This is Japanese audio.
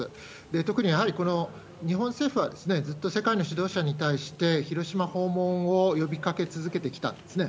特にやはりこの日本政府は、ずっと世界の指導者に対して、広島訪問を呼びかけ続けてきたんですね。